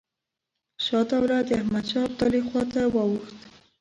شجاع الدوله د احمدشاه ابدالي خواته واوښت.